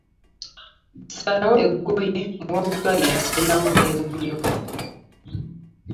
Salawo eggoye muwa butwa lye yasalirawo e Bubiro.